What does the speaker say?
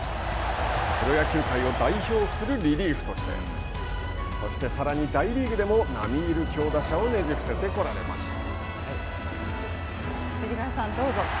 プロ野球界を代表するリリーフとしてそして、さらに大リーグでもなみいる強打者をねじ伏せてこられました。